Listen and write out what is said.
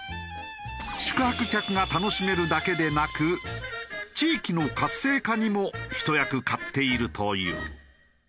宿泊客が楽しめるだけでなく地域の活性化にもひと役買っているという。